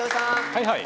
はいはい！